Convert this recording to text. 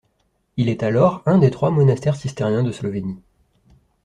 Il est alors un des trois monastères cisterciens de Slovénie.